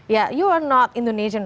ya kamu bukan orang indonesia kan